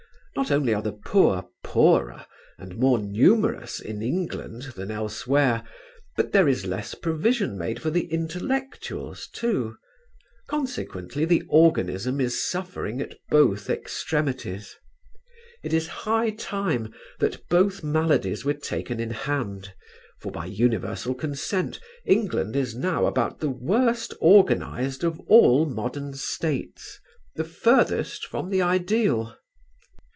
Not only are the poor poorer and more numerous in England than elsewhere; but there is less provision made for the "intellectuals" too, consequently the organism is suffering at both extremities. It is high time that both maladies were taken in hand, for by universal consent England is now about the worst organized of all modern States, the furthest from the ideal.